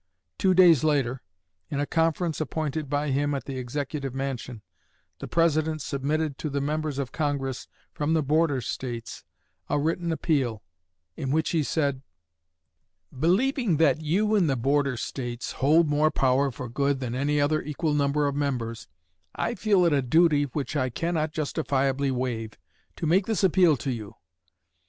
Two days later, in a conference appointed by him at the Executive Mansion, the President submitted to the members of Congress from the Border States a written appeal, in which he said: Believing that you, in the border States, hold more power for good than any other equal number of members, I feel it a duty which I cannot justifiably waive, to make this appeal to you....